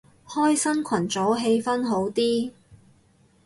開新群組氣氛好啲